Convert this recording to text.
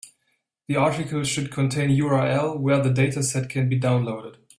The article should contain URL where the dataset can be downloaded.